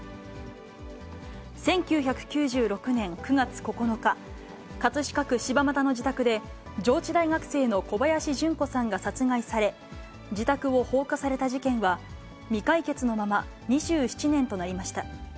１９９６年９月９日、葛飾区柴又の自宅で、上智大学生の小林順子さんが殺害され、自宅を放火された事件は、未解決のまま、２７年となりました。